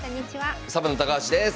サバンナ高橋です。